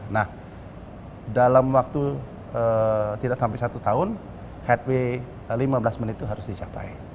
nah dalam waktu tidak sampai satu tahun headway lima belas menit itu harus dicapai